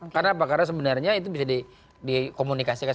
karena sebenarnya itu bisa dikomunikasikan